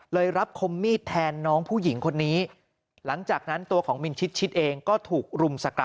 รับคมมีดแทนน้องผู้หญิงคนนี้หลังจากนั้นตัวของมินชิดชิดเองก็ถูกรุมสกัด